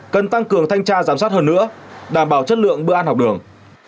cần tăng cường thanh tra giám sát hơn nữa đảm bảo chất lượng bữa ăn học đường